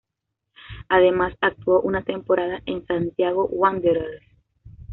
Además, actuó una temporada en Santiago Wanderers.